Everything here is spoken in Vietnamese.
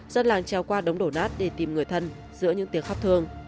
dân làng treo qua đống đổ nát để tìm người thân giữa những tiếng khắp thương